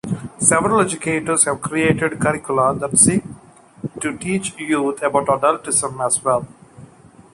Several educators have created curricula that seek to teach youth about adultism, as well.